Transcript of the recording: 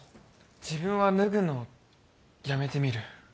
自分は脱ぐのやめてみる